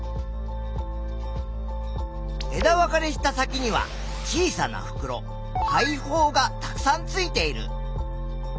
枝分かれした先には小さなふくろ「肺胞」がたくさんついている。